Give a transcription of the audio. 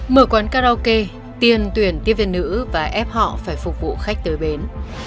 mở quán karaoke tiền tuyển tiếp viên nữ và ép họ phải phục vụ khách tới bến